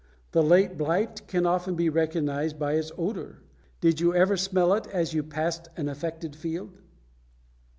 The late blight can often be recognized by its odor. Did you ever smell it as you passed an affected field?